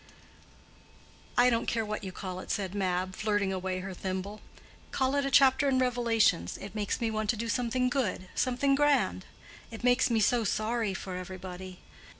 "I don't care what you call it," said Mab, flirting away her thimble. "Call it a chapter in Revelations. It makes me want to do something good, something grand. It makes me so sorry for everybody.